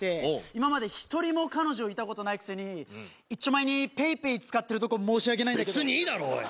今まで１人も彼女いたことないくせにいっちょまえにＰａｙＰａｙ使ってるとこ申し訳ないんだけど別にいいだろおい！